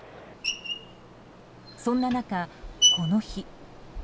そんな中、この日。